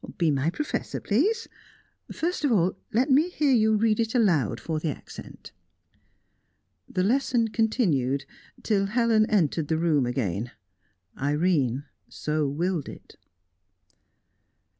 Be my professor, please. First of all, let me hear you read it aloud for the accent." The lesson continued till Helen entered the room again. Irene so willed it.